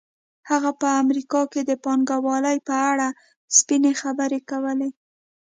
هغه په امریکا کې د پانګوالۍ په اړه سپینې خبرې کولې